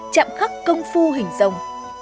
chạm khắc công phu hình dòng